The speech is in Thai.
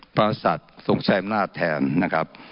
พระราชสัตว์ทรงชัยอำนาจแทนนะครับ